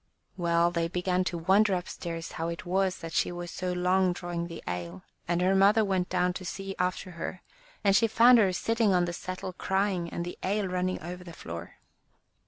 Well, they began to wonder upstairs how it was that she was so long drawing the ale, and her mother went down to see after her, and she found her sitting on the settle crying, and the ale running over the floor.